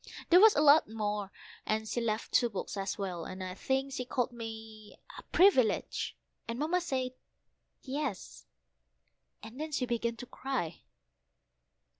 There was a lot more, and she left two books as well, and I think she called me a Privilege, and Mamma said "Yes," and began to cry.